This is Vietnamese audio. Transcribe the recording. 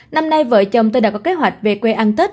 năm nay vợ chồng tôi đã có kế hoạch về quê ăn tết